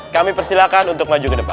kami persilakan untuk maju ke depan